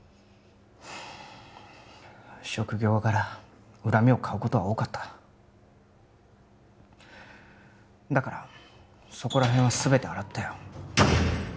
職業柄恨みを買うことは多かっただからそこらへんは全て洗ったよ